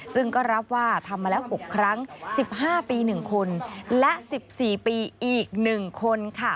ซึ่งก็รับว่าทำมาแล้ว๖ครั้ง๑๕ปี๑คนและ๑๔ปีอีก๑คน